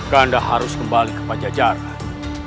kanda harus kembali ke pajajaran